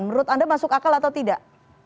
menurut anda masuk akal atau tidak